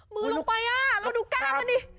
มือลงไปแล้วดูกล้ามมันดิ